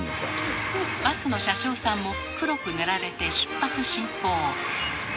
バスの車掌さんも黒く塗られて出発進行。